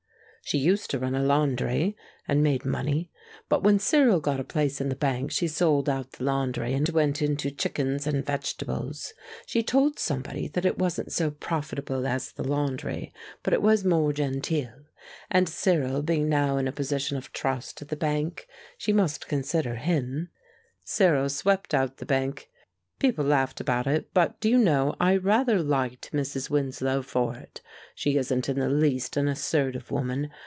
"She used to run a laundry, and made money; but when Cyril got a place in the bank she sold out the laundry and went into chickens and vegetables; she told somebody that it wasn't so profitable as the laundry, but it was more genteel, and Cyril being now in a position of trust at the bank, she must consider him. Cyril swept out the bank. People laughed about it, but, do you know, I rather liked Mrs. Winslow for it. She isn't in the least an assertive woman.